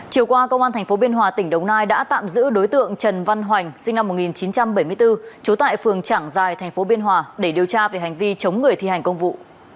chiều qua công an tp biên hòa tỉnh đồng nai đã tạm giữ đối tượng trần văn hoành sinh năm một nghìn chín trăm bảy mươi bốn trú tại phường trảng giài tp biên hòa để điều tra về hành vi chống người thi hành công vụ